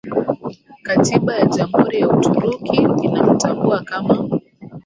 Katiba ya Jamhuri ya Uturuki inamtambua kama